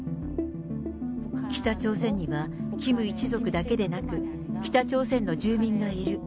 北朝鮮にはキム一族だけではなく、北朝鮮の住民がいる。